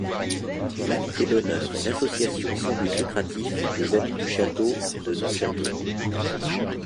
L'invité d'honneur est l'Association Sans But Lucratif des Amis du Château de Neufchâteau.